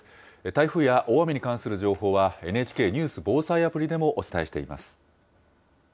台風や大雨に関する情報は、ＮＨＫニュース・防災アプリでもお伝えしています。